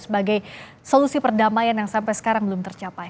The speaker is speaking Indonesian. sebagai solusi perdamaian yang sampai sekarang belum tercapai